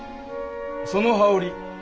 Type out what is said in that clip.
その羽織